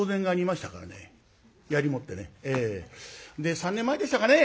３年前でしたかね